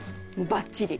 ばっちり。